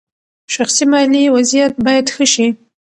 شخصي مالي وضعیت باید ښه شي.